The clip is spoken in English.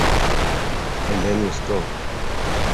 And then you stop.